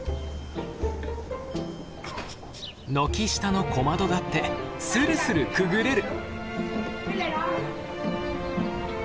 軒下の小窓だってスルスルくぐれる！